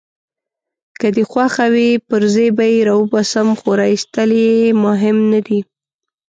که دي خوښه وي پرزې به يې راوباسم، خو راایستل يې مهم نه دي.